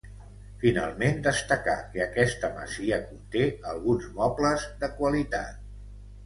Finalment destacar que aquesta masia conté alguns mobles de qualitat.